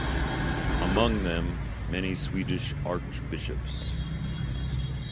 Among them, many Swedish archbishops.